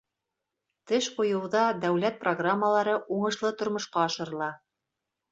Теш ҡуйыуҙа дәүләт программалары уңышлы тормошҡа ашырыла.